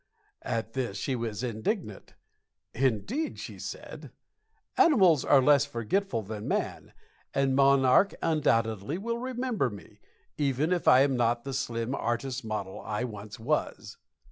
At this she was indignant. "Indeed," she said, "animals are less forgetful than man, and 'Monarch' undoubtedly will remember me, even if I am not the slim artist's model I once was."